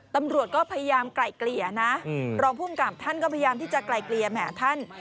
ตำรวจก็พยายามไกล่เกลี่ยนะรองภูมิกับท่านก็พยายามที่จะไกลเกลี่ยแหมท่าน